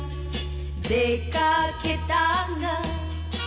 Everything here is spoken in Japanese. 「出掛けたが」